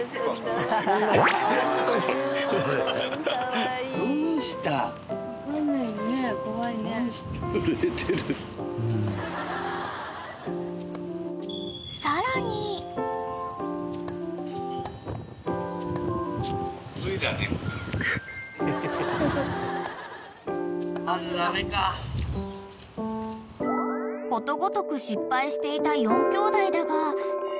［ことごとく失敗していた４きょうだいだが］